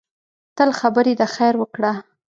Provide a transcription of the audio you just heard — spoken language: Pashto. تل خبرې د خیر وکړه